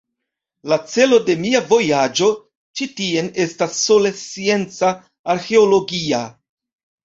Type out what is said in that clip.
La celo de mia vojaĝo ĉi tien estas sole scienca, arĥeologia.